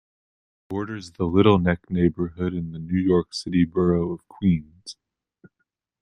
It borders the Little Neck neighborhood in the New York City borough of Queens.